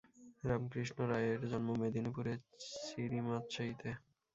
রামকৃষ্ণ রায়ের জন্ম মেদিনীপুরের চিরিমাতসাইতে।